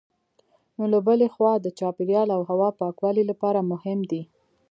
نو له بلې خوا د چاپېریال او هوا پاکوالي لپاره مهم دي.